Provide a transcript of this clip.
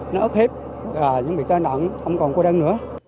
nó ớt hết những bị ca nạn không còn cô đơn nữa